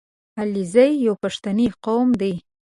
• علیزي یو پښتني قوم دی.